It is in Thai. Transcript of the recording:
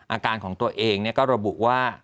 อาการของตัวเองก็ระบุว่า